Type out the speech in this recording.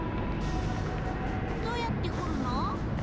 どうやって掘るの？